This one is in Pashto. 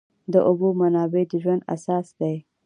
د اوبو منابع د ژوند اساس دي.